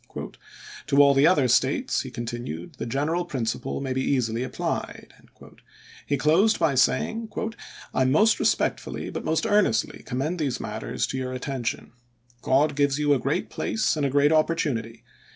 " To all the other States," he continued, "the general principle may be easily applied." He closed by saying: "I most respectfully, but most earnestly, commend these matters to your attention. God gives you a great place and a great opportunity.